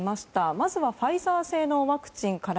まずはファイザー製のワクチン。